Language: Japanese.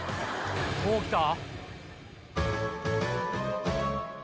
もうきた？